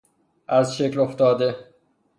ازشکل افتاده